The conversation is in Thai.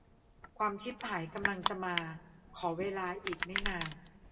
ความชิบหายกำลังจะมา ขอเวลาอีกไม่นาน